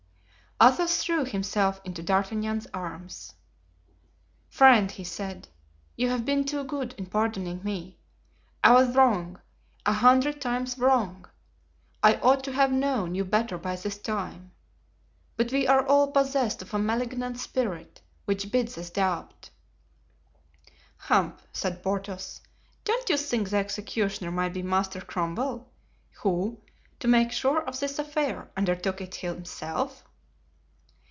Athos threw himself into D'Artagnan's arms. "Friend," he said, "you have been too good in pardoning me; I was wrong, a hundred times wrong. I ought to have known you better by this time; but we are all possessed of a malignant spirit, which bids us doubt." "Humph!" said Porthos. "Don't you think the executioner might be Master Cromwell, who, to make sure of this affair, undertook it himself?"